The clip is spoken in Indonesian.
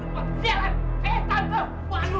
bastian saya berapa bos